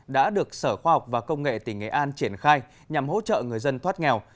đã được sở khoa học và công nghệ tỉnh nghệ an triển khai nhằm hỗ trợ người dân thoát nghèo